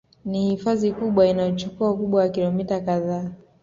Ni hifadhi kubwa Inayochukua Ukubwa wa kilomita kadhaa